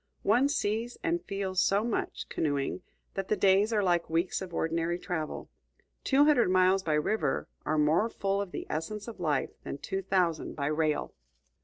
One sees and feels so much, canoeing, that the days are like weeks of ordinary travel. Two hundred miles by river are more full of the essence of life than two thousand by rail.